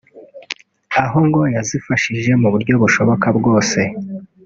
aho ngo yazifashije mu buryo bushoboka bwose